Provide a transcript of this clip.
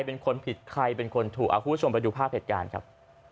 เป็นคนผิดใครเป็นคนถูกคุณผู้ชมไปดูภาพเหตุการณ์ครับ